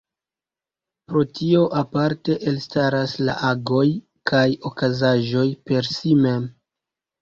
Pro tio aparte elstaras la agoj kaj okazaĵoj per si mem.